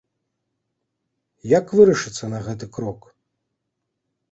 Як вырашыцца на гэты крок?